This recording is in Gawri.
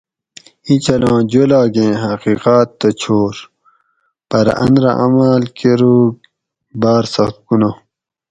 اینچھلاں جولاگیں حقیقت تہ چھور پرہ ان رہ عمل کۤروگ باۤر سخت گناہ